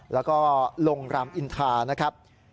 แล้วก็โรงรามอินทรา